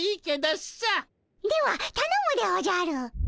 ではたのむでおじゃる。